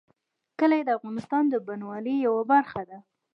کلي د افغانستان د بڼوالۍ یوه برخه ده.